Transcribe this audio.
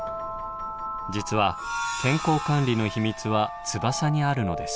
実は健康管理の秘密は翼にあるのです。